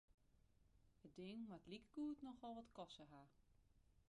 It ding moat likegoed nochal wat koste ha.